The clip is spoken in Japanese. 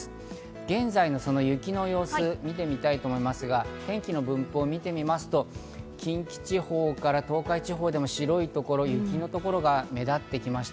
現在の雪の様子を見てみたいと思いますが、天気の分布を見てみますと、近畿地方から東海地方でも白い所、雪のところが目立ってきました。